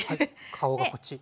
顔がこっち。